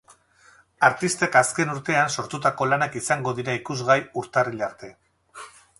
Artistek azken urtean sortutako lanak izango dira ikusgai urtarrilla arte.